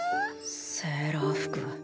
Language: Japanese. セーラー服